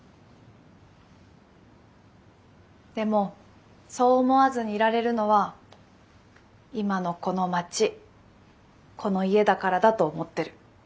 でもそう思わずにいられるのは今のこの町この家だからだと思ってる。